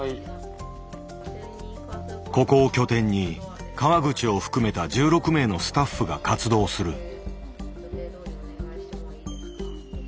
ここを拠点に川口を含めた１６名のスタッフが活動する。